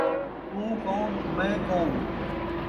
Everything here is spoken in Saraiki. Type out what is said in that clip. تو کون، میں کون